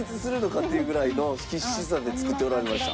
っていうぐらいの必死さで作っておられました。